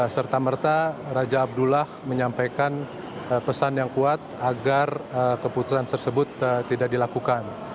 serta merta raja abdullah menyampaikan pesan yang kuat agar keputusan tersebut tidak dilakukan